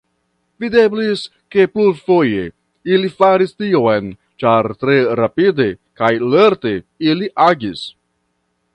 Videblis, ke plurfoje ili faris tion, ĉar tre rapide kaj lerte ili agis.